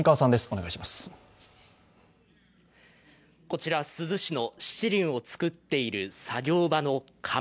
こちら珠洲市のしちりんを作っている作業場の窯。